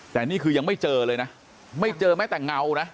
แต่นี่คือยังไม่เจอเลยนะไม่เจอแม้แต่เงานะ